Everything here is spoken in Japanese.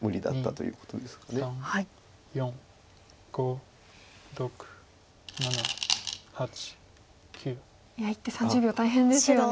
いや１手３０秒大変ですよね。